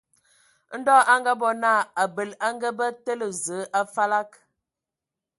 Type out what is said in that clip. Ndɔ a ngabɔ naa, abəl a ngabə tǝ̀lə Zəə a falag.